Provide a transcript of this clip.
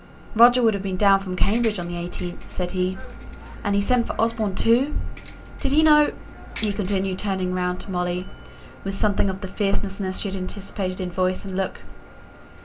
"Roger would have been down from Cambridge on the 18th," said he. "And he has sent for Osborne, too! Did he know," he continued, turning round to Molly, with something of the fierceness she had anticipated in voice and look.